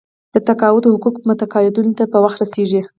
د تقاعد حقوق متقاعدینو ته په وخت رسیږي.